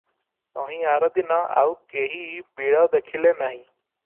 ତହିଁଆରଦିନ ଆଉ କେହିବିଳ ଦେଖିଲେ ନାହିଁ ।